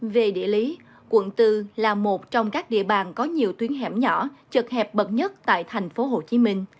về địa lý quận bốn là một trong các địa bàn có nhiều tuyến hẻm nhỏ trật hẹp bậc nhất tại tp hcm